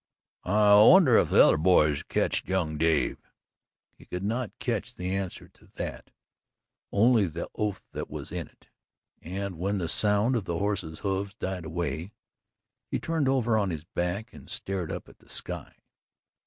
"I wonder if the other boys ketched young Dave?" He could not catch the answer to that only the oath that was in it, and when the sound of the horses' hoofs died away, he turned over on his back and stared up at the sky.